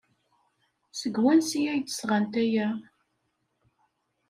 Seg wansi ay d-sɣant aya?